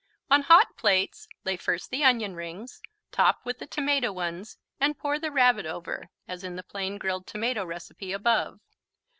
On hot plates lay first the onion rings, top with the tomato ones and pour the Rabbit over, as in the plain Grilled Tomato recipe above.